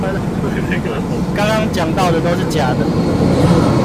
剛剛講到的都是假的